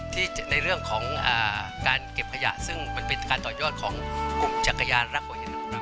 ในเรื่องของการเก็บขยะซึ่งมันเป็นการต่อยอดของกลุ่มจักรยานรักหัวใจลูก